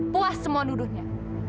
puas semua nuduhnya